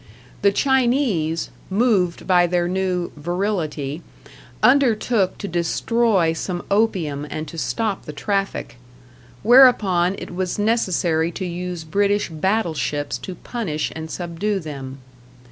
The Chinese, moved by their new "virility," undertook to destroy some opium, and to stop the traffic; whereupon it was necessary to use British battle ships to punish and subdue them.